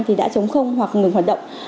thì đã chống không hoặc ngừng hoạt động